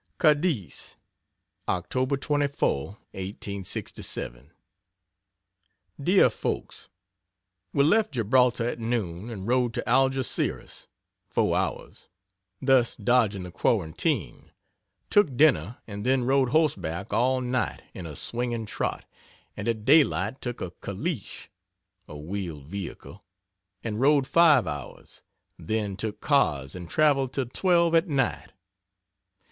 CADIZ, Oct 24, 1867. DEAR FOLKS, We left Gibraltar at noon and rode to Algeciras, (4 hours) thus dodging the quarantine, took dinner and then rode horseback all night in a swinging trot and at daylight took a caleche (a wheeled vehicle) and rode 5 hours then took cars and traveled till twelve at night.